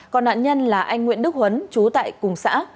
còn nạn nhân là anh nguyễn đức huấn trú tại cùng xã